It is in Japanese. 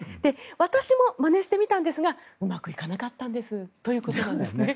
私もまねしてみたんですがうまくいかなかったんですということなんです。